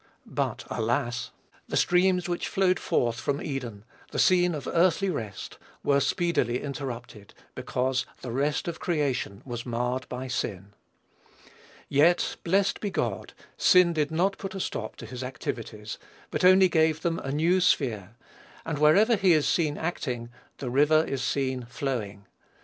But, alas! the streams which flowed forth from Eden the scene of earthly rest were speedily interrupted, because the rest of creation was marred by sin. Yet, blessed be God, sin did not put a stop to his activities, but only gave them a new sphere; and wherever he is seen acting, the river is seen flowing.